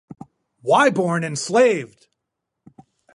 Why Born Enslaved!